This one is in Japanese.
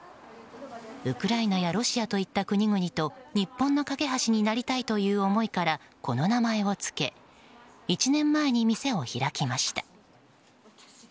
ウクライナやロシアといった国々と日本の懸け橋になりたいという思いから、この名前をつけ１年前に店を開きました。